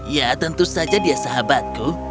ya tentu saja dia sahabatku